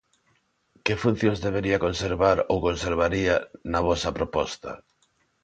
Que funcións debería conservar ou conservaría na vosa proposta?